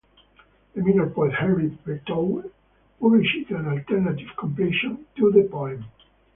The minor poet Henry Petowe published an alternative completion to the poem.